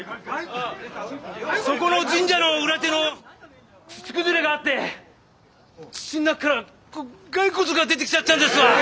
そこの神社の裏手の土崩れがあって土の中からこう骸骨が出てきちゃったんですわ。